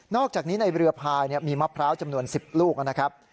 อกจากนี้ในเรือพายมีมะพร้าวจำนวน๑๐ลูกนะครับ